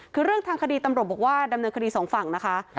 คือเรื่องทางคดีตำรวจบอกว่าดำเนินคดีสองฝั่งนะคะ